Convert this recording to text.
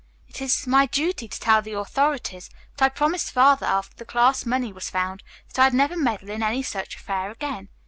"It is my duty to tell the authorities, but I promised Father after the class money was found that I'd never meddle in any such affair again.